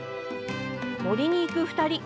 森に行く２人。